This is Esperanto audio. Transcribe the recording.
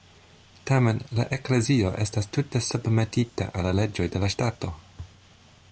Tamen, la Eklezio estas tute submetita al la leĝoj de la ŝtato.